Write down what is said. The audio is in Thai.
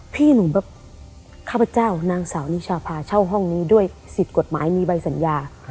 พี่หนูแบบข้าพเจ้านางสาวนิชาพาเช่าห้องนี้ด้วยสิทธิ์กฎหมายมีใบสัญญา